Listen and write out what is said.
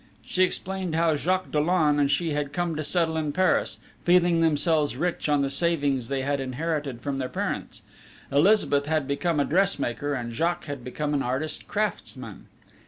She explained how Jacques Dollon and she had come to settle in Paris, feeling themselves rich on the savings they had inherited from their parents. Elizabeth had become a dressmaker, and Jacques had become an artist craftsman.